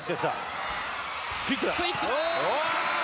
クイックだ！